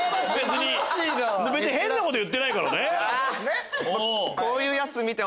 別に変なこと言ってないからね。